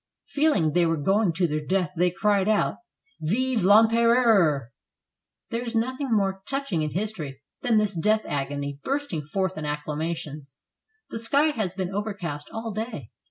Feeling that they were going to their death they cried out: " Vive VEmpereurl" There is nothing more touch 380 WATERLOO ing in history than this death agony bursting forth in acclamations. The sky has been overcast all day.